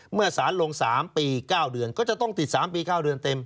เมื่อสารลง๓ปี๙เดือนก็จะต้องติด๓ปี๙เดือนเต็ม